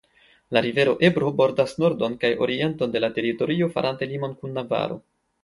La rivero Ebro bordas nordon kaj orienton de la teritorio farante limon kun Navaro.